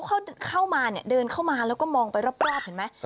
เข้ามาเนี่ยเดินเข้ามาแล้วก็มองไปรอบเห็นไหม